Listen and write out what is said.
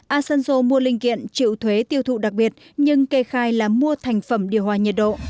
asanjo mua linh kiện triệu thuế tiêu thụ đặc biệt nhưng kê khai là mua thành phẩm điều hòa nhiệt độ